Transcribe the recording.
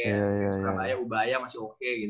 suka kayak ubaya masih oke gitu